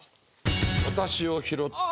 私を拾って。